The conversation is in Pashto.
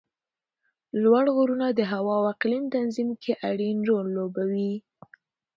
لوړ غرونه د هوا او اقلیم تنظیم کې اړین رول لوبوي